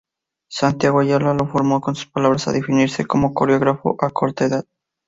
Santiago Ayala lo formó con sus palabras a definirse como coreógrafo a corta edad.